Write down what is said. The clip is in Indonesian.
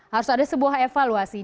harus ada sebuah evaluasi